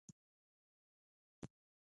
د ننګرهار په مومند دره کې د سمنټو مواد شته.